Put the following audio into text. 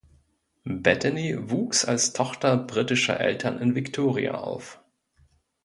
Bettany wuchs als Tochter britischer Eltern in Victoria auf.